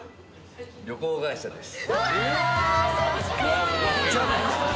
旅行会社です。